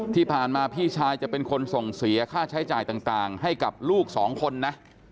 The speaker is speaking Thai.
ที่ผ่านมาพี่ชายจะเป็นคนส่งเสียค่าใช้จ่ายต่างให้กับลูกสองคนนะ